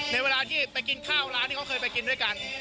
เวลาที่ไปกินข้าวร้านที่เขาเคยไปกินด้วยกัน